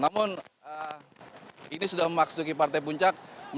namun ini sudah memasuki partai puncak